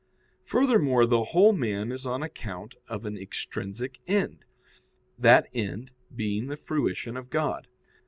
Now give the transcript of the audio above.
Furthermore, the whole man is on account of an extrinsic end, that end being the fruition of God.